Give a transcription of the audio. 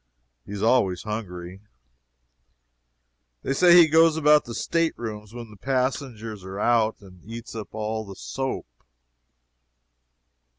He is always hungry. They say he goes about the state rooms when the passengers are out, and eats up all the soap.